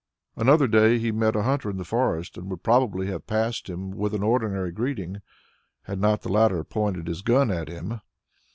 Another day he met a hunter in the forest and would probably have passed him with an ordinary greeting, had not the latter pointed his gun at him.